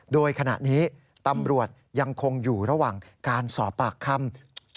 โดยขณะนี้ตำรวจยังคงอยู่ระหว่างการสอบปากคำ